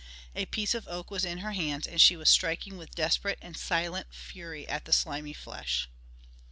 A piece of oak was in her hands, and she was striking with desperate and silent fury at the slimy flesh.